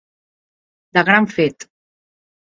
De gran fet.